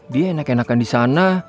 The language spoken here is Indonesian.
dia enak enakan di sana